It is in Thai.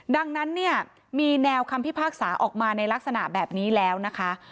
ดังนั้นเนี่ยมีแนวคำพิพากษาออกมาในลักษณะแบบนี้แล้วนะคะ